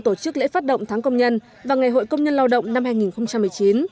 tổ chức lễ phát động tháng công nhân và ngày hội công nhân lao động năm hai nghìn một mươi chín